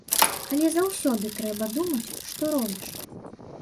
Але заўсёды трэба думаць, што робіш.